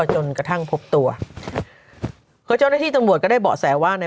จนกระทั่งพบตัวคือเจ้าหน้าที่ตำรวจก็ได้เบาะแสว่า